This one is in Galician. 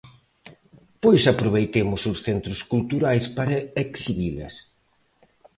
Pois aproveitemos os centros culturais para exhibilas.